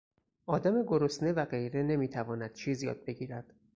آدم گرسنه و غیره نمیتواند چیز یاد بگیرد.